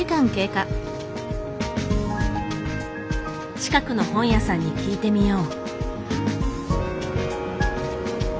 近くの本屋さんに聞いてみよう。